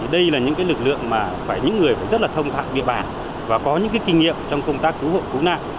đây là những cái lực lượng mà phải những người rất là thông thạo địa bàn và có những cái kinh nghiệm trong công tác cứu hộp cứu nạn